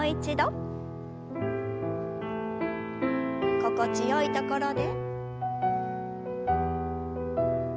心地よいところで。